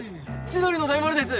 千鳥の大丸です！